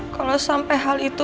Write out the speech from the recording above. kalau sampai hal itu